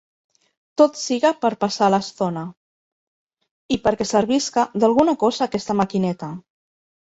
Tot siga per passar l'estona. I perquè servisca d'alguna cosa aquesta maquineta.